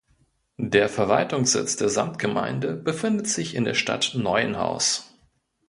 Der Verwaltungssitz der Samtgemeinde befindet sich in der Stadt Neuenhaus.